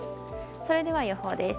それでは予報です。